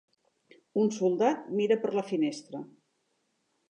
Un soldat mira per la finestra.